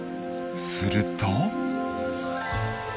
すると。